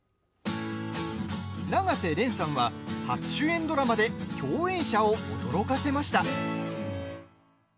永瀬廉さんは初主演ドラマで共演者を驚かせました。